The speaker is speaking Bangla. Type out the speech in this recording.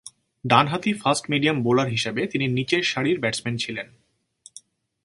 ডানহাতি ফাস্ট-মিডিয়াম বোলার হিসেবে তিনি নিচেরসারির ব্যাটসম্যান ছিলেন।